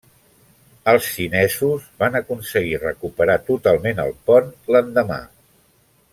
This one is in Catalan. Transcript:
Els xinesos van aconseguir recuperar totalment el pont l'endemà.